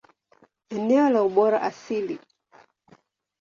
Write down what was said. Eneo la ubora asili.